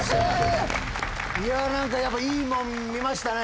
いや何かいいもん見ましたね